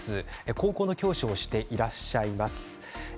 高校の教師をしていらっしゃいます。